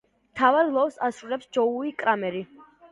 მთავარ როლს ასრულებს ჯოუი კრამერი.